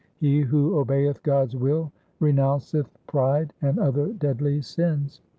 He who obeyeth God's will renounceth pride and other deadly sins.